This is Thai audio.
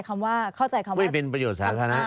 ไม่เป็นประโยชน์สาธารณะ